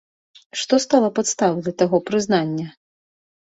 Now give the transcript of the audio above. Што стала падставай для таго прызнання?